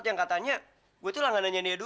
ntar apaan sih